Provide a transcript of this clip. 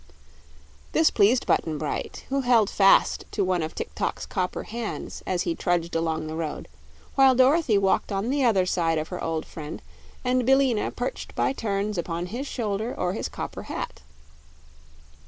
This pleased Button Bright, who held fast to one of Tik tok's copper hands as he trudged along the road, while Dorothy walked on the other side of her old friend and Billina perched by turns upon his shoulder or his copper hat.